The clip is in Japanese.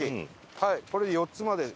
はいこれで４つまで来ました。